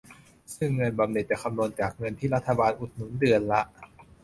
ซึ่งเงินบำเหน็จจะคำนวณจากเงินที่รัฐบาลอุดหนุนเดือนละ